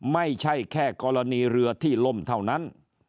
ไม่ใช่แค่กรณีเรือที่ล่มเท่านั้น